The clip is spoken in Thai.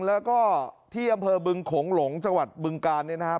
แล้วก็ที่อำเภอบึงโขงหลงจังหวัดบึงกาลเนี่ยนะครับ